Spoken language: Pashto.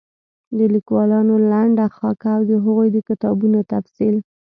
د ليکوالانو لنډه خاکه او د هغوی د کتابونو تفصيل